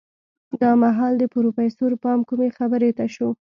دا مهال د پروفيسر پام کومې خبرې ته شو.